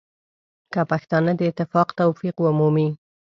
که پښتانه د اتفاق توفیق ومومي.